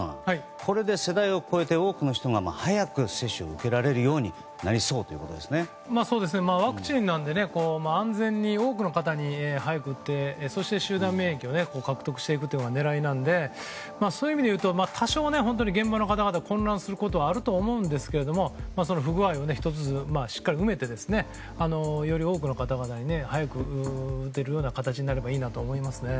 これで世代を超えて多くの人が早く接種を受けられるようになりそうワクチンなんで安全に多くの方に早く打ってそして集団免疫を獲得していくことが狙いなのでそういう意味で言うと多少、現場の方々混乱することはあると思うんですがその不具合を１つずつしっかり含めてより多くの方々に早く打てる形になればいいなと思いますね。